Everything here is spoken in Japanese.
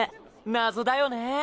謎だよね。